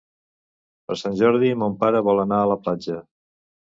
Per Sant Jordi mon pare vol anar a la platja.